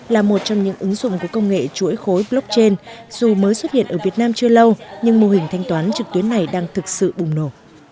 là một trong những ứng dụng của công nghệ chuỗi khối blockchain dù mới xuất hiện ở việt nam chưa lâu nhưng mô hình thanh toán trực tuyến này đang thực sự bùng nổ